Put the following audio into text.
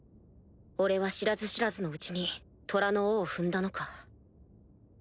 俺は知らず知らずのうちに虎の尾を踏んだのか。